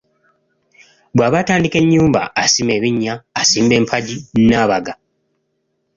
Bw'aba atandika ennyumba, asima ebinnya, asimba empagi n'abaga.